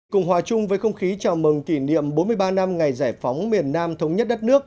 cùng hòa chung với không khí chào mừng kỷ niệm bốn mươi ba năm ngày giải phóng miền nam thống nhất đất nước